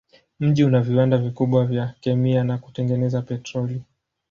Mji una viwanda vikubwa vya kemia na kutengeneza petroli.